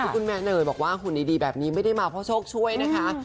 คุณแม่เนยบอกว่าหุ่นดีแบบนี้ไม่ได้มาเพราะโชคช่วยนะคะ